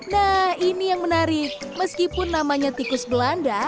nah ini yang menarik meskipun namanya tikus belanda